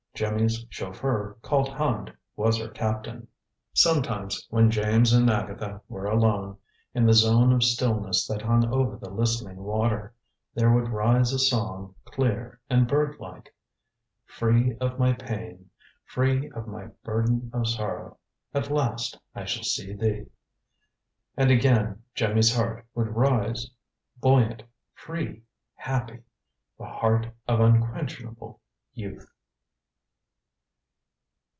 Jimmy's chauffeur, called Hand, was her captain. Sometimes, when James and Agatha were alone, in the zone of stillness that hung over the listening water, there would rise a song, clear and birdlike: "Free of my pain, free of my burden of sorrow, At last I shall see thee " and again Jimmy's heart would rise buoyant, free, happy the heart of unquenchable youth.